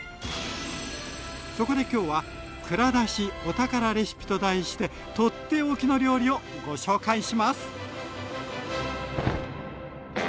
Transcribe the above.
そこで今日は「蔵出し！お宝レシピ」と題して取って置きの料理をご紹介します。